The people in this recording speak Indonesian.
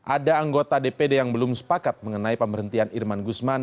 ada anggota dpd yang belum sepakat mengenai pemberhentian irman guzman